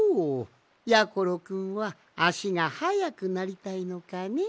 やころくんはあしがはやくなりたいのかね？